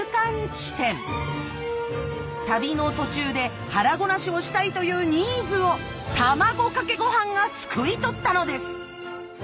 旅の途中で腹ごなしをしたいというニーズを卵かけご飯がすくい取ったのです。